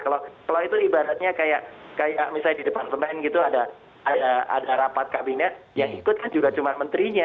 kalau itu ibaratnya kayak misalnya di departemen gitu ada rapat kabinet yang ikut kan juga cuma menterinya